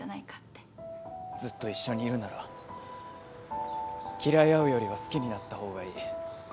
ずっと一緒にいるなら嫌い合うよりは好きになった方がいい。